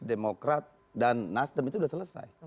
demokrat dan nasdem itu sudah selesai